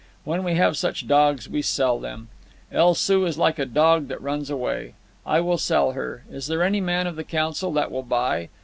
When we have such dogs, we sell them. El Soo is like a dog that runs away. I will sell her. Is there any man of the council that will buy?"